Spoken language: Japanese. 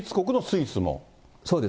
そうです。